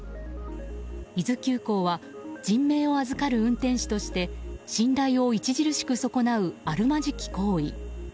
伊豆急行は人命を預かる運転士として信頼を著しく損なうあるまじき行為。